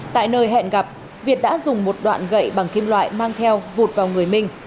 tại nơi hẹn gặp việt đã dùng một đoạn gậy bằng kim loại mang theo vụt vào người minh